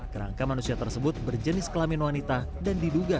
kerangka manusia tersebut berjenis kelamin wanita dan diduga